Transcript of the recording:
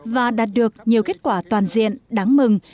và đạt được nhiều kết quả toàn diện đáng mừng